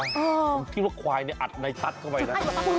คุณคิดว่าควายอะดในชัดเข้าไปนะ